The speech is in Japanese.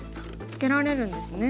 ツケられるんですね。